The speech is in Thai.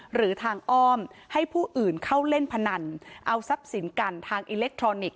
หรือทางอ้อมให้ผู้อื่นเข้าเล่นพนันเอาทรัพย์สินกันทางอิเล็กทรอนิกส